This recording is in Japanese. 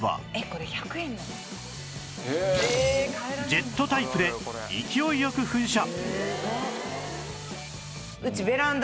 ジェットタイプで勢いよく噴射